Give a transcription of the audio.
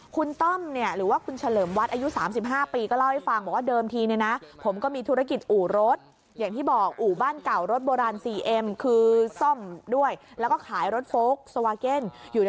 คุณต้อมเนี่ยหรือว่าคุณเฉลิมวัสด์